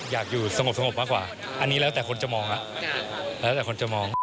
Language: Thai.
อยากอยู่สงบไว้นิวเอาแต่คนจะมองนะแล้วแต่คนจะแบบให้เขาจะมอง